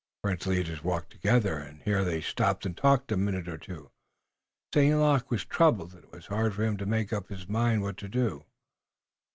The French leaders walked together, and here they stopped and talked a minute or two. St. Luc was troubled, and it was hard for him to make up his mind what to do."